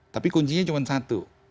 tapi kuncinya cuma satu